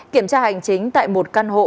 kiểm tra hành chính tại một căn hộ